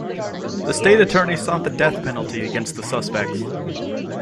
The state attorney sought the death penalty against the suspects.